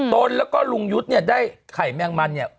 ตนแล้วก็ลุงยุทธ์เนี่ยได้ไข่แมงมันเนี่ย